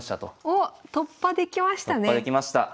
おっ突破できましたね。